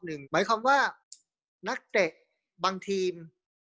หมายความว่านักเตะบางทีม